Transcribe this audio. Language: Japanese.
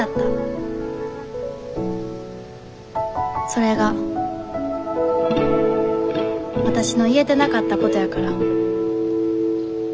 それがわたしの言えてなかったことやから。